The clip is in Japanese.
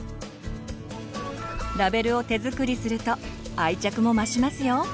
ラベルを手作りすると愛着も増しますよ。